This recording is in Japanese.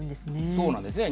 そうなんですね。